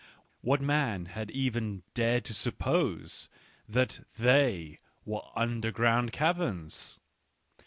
What man had even dared to sup pose that they were underground caverns